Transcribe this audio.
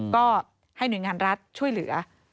ก็ให้หน่วยงานรัฐช่วยเหลือ